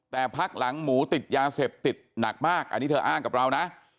แต่พักหลังหมูติดยาเสพติดหนักมากอันนี้เธออ้างกับเรานะ